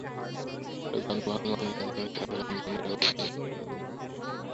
সড়কে যানবাহনের মান নিয়ন্ত্রণে সরকারের মধ্যে এক ধরনের উদাসীনতা লক্ষ্য করা যায়।